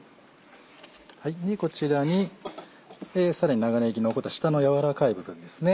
こちらにさらに長ねぎの残った下の軟らかい部分ですね。